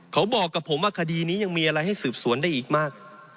เขาบอกกับผมว่าคดีนี้ยังมีอะไรให้สืบสวนได้อีกมาก